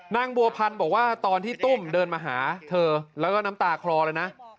นางบัวพันธ์บอกว่าตอนที่ตุ้มเดินมาหาเธอแล้วก็น้ำตาคลอเลยนะ